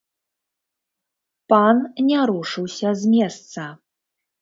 Пан не рушыўся з месца.